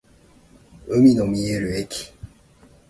海の見える駅